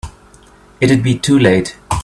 It'd be too late.